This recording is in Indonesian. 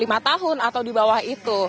di sekitar lima tahun atau di bawah itu